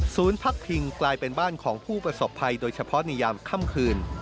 พักพิงกลายเป็นบ้านของผู้ประสบภัยโดยเฉพาะในยามค่ำคืน